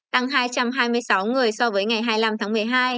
tăng hai trăm hai mươi sáu người so với ngày hai mươi năm tháng một mươi hai